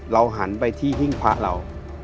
หันไปที่หิ้งพระเรา